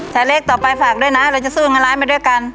แต่เลขต่อไปฝากด้วยนะเราจะสู้เงินร้ายมาด้วยกัน